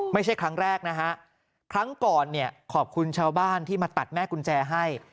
ไม่ใช่ครั้งแรกนะฮะครั้งก่อนเนี่ยขอบคุณชาวบ้านที่มาตัดแม่กุญแจให้